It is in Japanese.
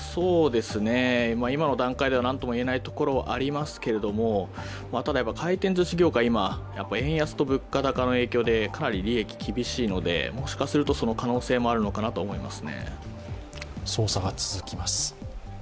今の段階ではなんとも言えないところがありますけれどもただ、回転ずし業界、円安と物価高の影響でかなり利益、厳しいので、もしかするとその可能性はあるのかなと思います。